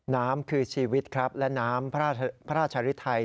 น้ำคือชีวิตครับและน้ำพระราชริไทย